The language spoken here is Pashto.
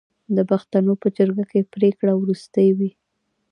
د پښتنو په جرګه کې پریکړه وروستۍ وي.